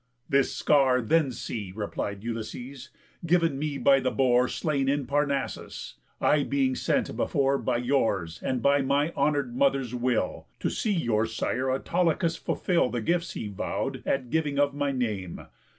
"This scar then see," Replied Ulysses, "giv'n me by the boar Slain in Parnassus, I being sent before By your's and by my honour'd mother's will, To see your sire Autolycus fulfill The gifts he vow'd at giving of my name.